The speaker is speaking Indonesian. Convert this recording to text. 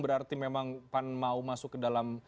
berarti memang pan mau masuk ke dalam